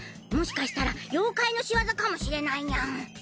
もしかしたら妖怪のしわざかもしれないニャン。